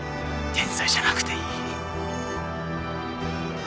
天才じゃなくていい。